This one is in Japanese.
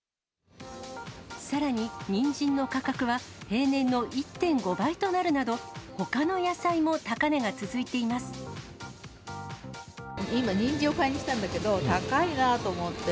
さらに、ニンジンの価格は平年の１．５倍となるなど、ほかの野菜も高値が今、ニンジンを買いに来たんだけど、高いなーと思って。